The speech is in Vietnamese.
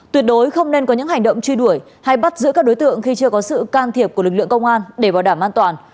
tuyệt đối không nên có những hành động truy đuổi hay bắt giữ các đối tượng khi chưa có sự can thiệp của lực lượng công an để bảo đảm an toàn